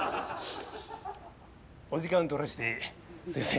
お時間取らせてすいませんでした。